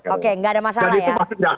oke nggak ada masalah ya